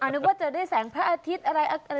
นึกว่าจะได้แสงพระอาทิตย์อะไร